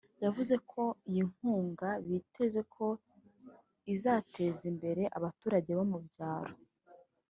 yavuze ko iyi nkunga biteze ko izateza imbere abaturage bo mu byaro